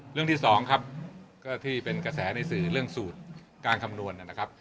เรื่องที่สองครับก็ที่เป็นกระแสในสื่อเรื่องสูตรการคำนวณนะครับ